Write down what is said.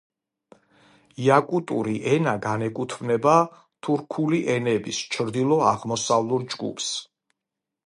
იაკუტური ენა განეკუთვნება თურქული ენების ჩრდილო-აღმოსავლურ ჯგუფს.